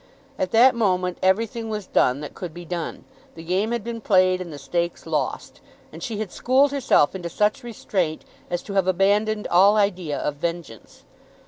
At that moment everything was done that could be done. The game had been played and the stakes lost, and she had schooled herself into such restraint as to have abandoned all idea of vengeance.